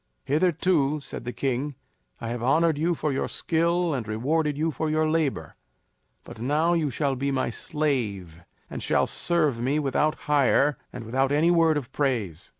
"Hitherto," said the king, "I have honored you for your skill and rewarded you for your labor. But now you shall be my slave and shall serve me without hire and without any word of praise."